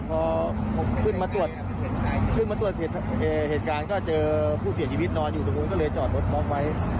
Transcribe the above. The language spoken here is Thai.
พอขึ้นมาตรวจเหตุการณ์ก็เจอผู้เสียชีวิตนอนอยู่ตรงนู้นก็เลยจอดรถบล็อกไว้